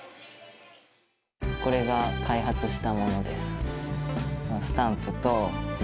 これが開発したものです。